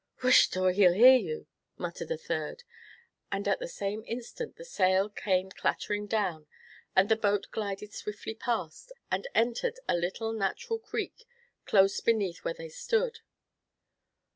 "Whisht! or he 'll hear you," muttered a third; and at the same instant the sail came clattering down, and the boat glided swiftly past, and entered a little natural creek close beneath where they stood.